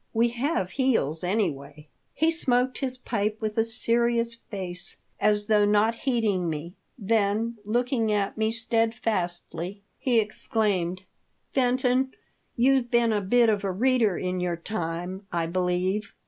We have heels, anyway." He smoked his pipe with a serious face, as though not heeding me ; then looking at A TALK OF THE DEATH SHU'. 1.1 me Steadfastly, he exclaimed, "Fenton, you've been a bit of a reader in your time, I believe.